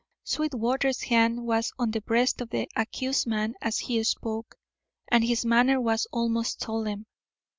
Sweetwater's hand was on the breast of the accused man as he spoke, and his manner was almost solemn.